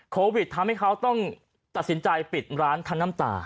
โควิดทำให้เขาต้องตัดสินใจปิดร้านคันน้ำตา